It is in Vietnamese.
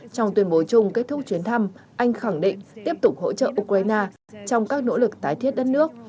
trong tuyên bố chung kết thúc chuyến thăm anh khẳng định tiếp tục hỗ trợ ukraine trong các nỗ lực tái thiết đất nước